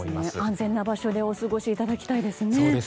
安全な場所でお過ごしいただきたいですね。